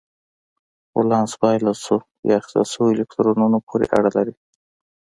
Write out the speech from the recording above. ولانس بایلل شوو یا اخیستل شوو الکترونونو پورې اړه لري.